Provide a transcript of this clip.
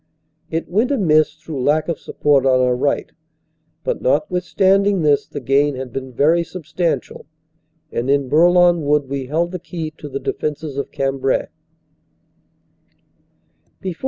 It went amiss through lack of support on our right, but notwithstanding this the gain had been very substantial, and in Bourlon Wood we held the key to the defenses of Cam brai.